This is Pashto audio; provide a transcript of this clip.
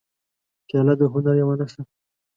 پیاله د هنر یوه نښه ده.